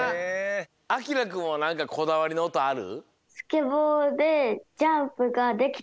あきらくんはなんかこだわりのおとある？